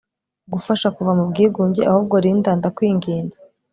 gufasha kuva mubwigunge Ahubwo Linda ndakwinginze